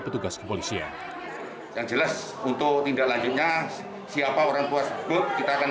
petugas kepolisian yang jelas untuk tindak lanjutnya siapa orang tua sebut kita akan